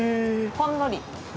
ほんのり。